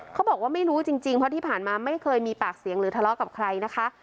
เขาบอกว่าไม่รู้จริงเพราะที่ผ่านมาไม่เคยมีปากเสียงหรือทะเลาะกับใครนะคะ